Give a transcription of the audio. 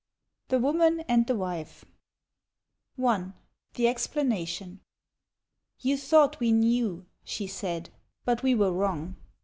THE WOMAN AND THE WIFE I THE EXPLANATION " You thought we knew," she said, " but we were wrong.